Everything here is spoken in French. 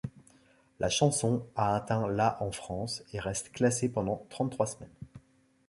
La chanson a atteint la en France, et reste classée pendant trente-trois semaines.